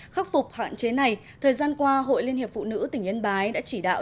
khắc phục hạn chế này thời gian qua hội liên hiệp phụ nữ tỉnh yên bái đã chỉ đạo